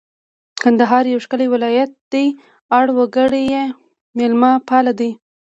کندهار یو ښکلی ولایت دی اړ وګړي یې مېلمه پاله دي